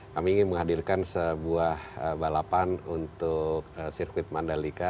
kami ingin menghadirkan sebuah balapan untuk sirkuit mandalika